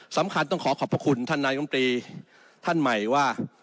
สำคัญต้องขอขอบพระคุณท่านนายกรรมตรีท่านใหม่ว่า